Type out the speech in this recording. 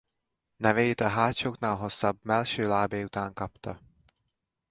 Nevét a hátsóknál hosszabb mellső lábai után kapta.